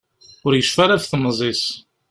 Ur yecfi ara ɣef temẓi-s.